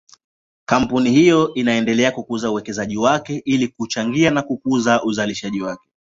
Kampuni hiyo inaendelea kukuza uwekezaji wake ili kuchangia kukuza uzalishaji wake.